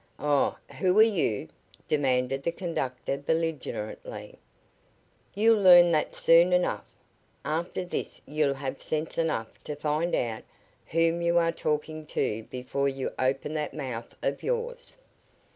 "Aw, who are you?" demanded the conductor, belligerently. "You'll learn that soon enough. After this you'll have sense enough to find out whom you are talking to before you open that mouth of yours.